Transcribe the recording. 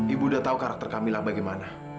ibu udah tahu karakter kamila bagaimana